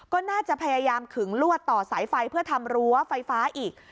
ก็น่าจะพยายามขึงลวดต่อสายไฟเพื่อทำรั้วไฟฟ้าอีก